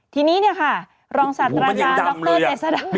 ทีนี้ค่ะรองสาธารณาดรเจสดา